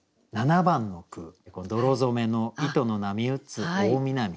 ７番の句「泥染めの糸の波うつ大南風」。